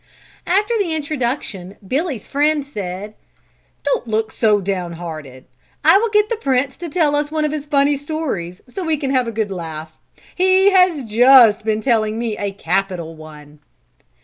After the introduction Billy's friend said: "Don't look so down hearted. I will get the Prince to tell us one of his funny stories so we can have a good laugh. He has just been telling me a capital one."